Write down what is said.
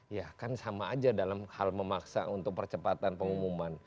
ya kan sama aja dalam hal memaksa untuk percepatan pengumuman